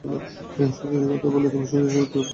সোজাসুজি কথা বললে, তুমি সোজাসুজি উত্তর পাবে।